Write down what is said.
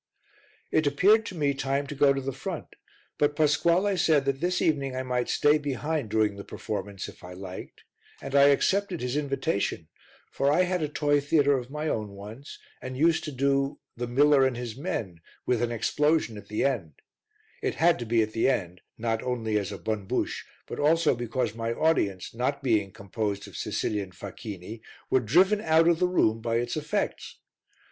It appeared to me time to go to the front, but Pasquale said that this evening I might stay behind during the performance if I liked and I accepted his invitation, for I had a toy theatre of my own once and used to do The Miller and His Men with an explosion at the end; it had to be at the end, not only as a bonne bouche, but also because my audience, not being composed of Sicilian facchini, were driven out of the room by its effects.